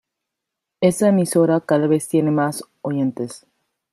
Esta emisora cada vez tiene más oyentes.